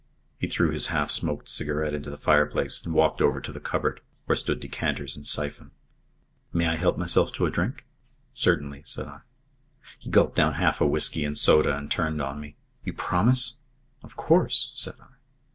He threw his half smoked cigarette into the fire place and walked over to the sideboard, where stood decanters and syphon. "May I help myself to a drink?" "Certainly," said I. He gulped down half a whisky and soda and turned on me. "You promise?" "Of course," said I.